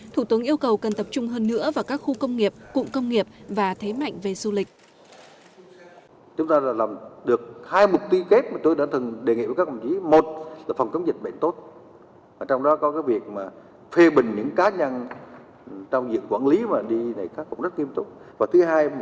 thủ tướng yêu cầu cần tập trung hơn nữa vào các khu công nghiệp cụm công nghiệp và thế mạnh về du lịch